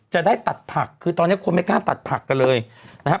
จะได้ตัดผักคือตอนนี้คนไม่กล้าตัดผักกันเลยนะฮะ